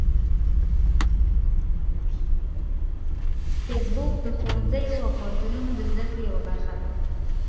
فېسبوک د ښوونځیو او پوهنتونونو د زده کړې یوه برخه ده